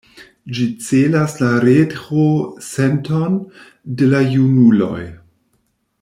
Ĝi celas la retro-senton de la junuloj.